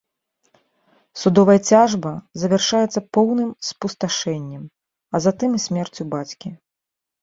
Судовая цяжба завяршаецца поўным спусташэннем, а затым і смерцю бацькі.